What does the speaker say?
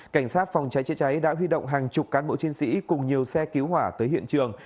cảnh sát phòng cháy chữa cháy đã huy động hàng chục cán bộ chiến sĩ cùng nhiều xe cứu hỏa tới hiện trường